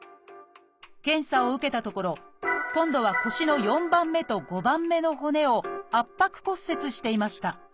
検査を受けたところ今度は腰の４番目と５番目の骨を圧迫骨折していました。